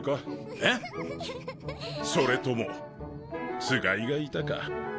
えっ⁉それともつがいがいたか？